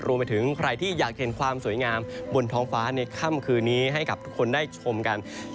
รวมไปถึงใครที่อยากเห็นความสวยงามบนท้องฟ้าในค่ำคืนนี้ให้กับทุกคนได้ชมกัน